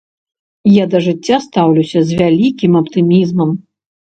Я да жыцця стаўлюся з вялікім аптымізмам.